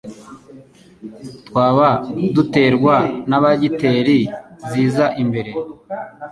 twaba uduterwa na bagiteri ziza imbere